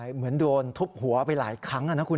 เหมือนโดนทุบหัวไปหลายครั้งนะคุณ